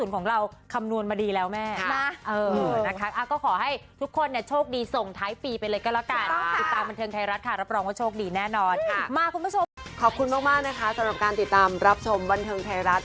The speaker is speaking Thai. คุณผู้ชมขอบคุณมากนะคะสำหรับการติดตามรับชมบันเทิงไทยรัฐ